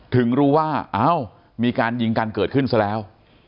ถึงรู้ว่าเอ้ามีการยิงกันเกิดขึ้นซะแล้ว